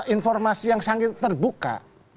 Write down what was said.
informasi yang sangat terbuka